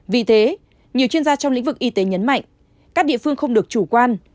vì thế nhiều chuyên gia trong lĩnh vực y tế nhấn mạnh các địa phương không được chủ quan